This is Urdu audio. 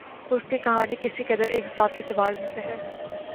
اس کی کہانی کسی قدر ایک ذاتی زوال میں سے ہے